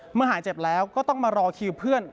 หายเจ็บแล้วก็ต้องมารอคิวเพื่อน